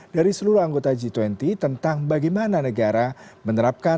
dari seluruh anggota g dua puluh tentang bagaimana negara menerapkan